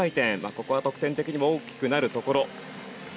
ここは得点的にも大きくなるところ。